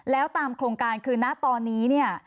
แล้วตามโครงการขึ้นนาตอนนี้